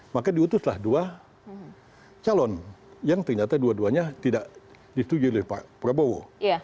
maka diutuslah dua calon yang ternyata dua duanya tidak disetujui oleh pak prabowo